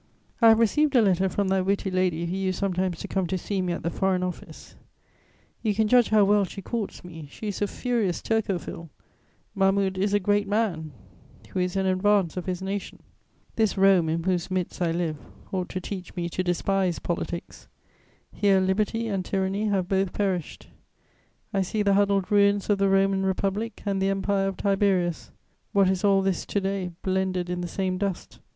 ] "I have received a letter from that witty lady who used sometimes to come to see me at the Foreign Office; you can judge how well she courts me: she is a furious Turcophile; Mahmud is a great man, who is in advance of his nation! "This Rome, in whose midst I live, ought to teach me to despise politics. Here liberty and tyranny have both perished: I see the huddled ruins of the Roman Republic and the Empire of Tiberius; what is all this to day blended in the same dust?